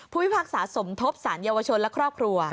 ผู้พิพากษาสมทบสนุนเชิญและครอบครัว